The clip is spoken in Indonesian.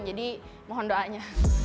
jadi mohon doanya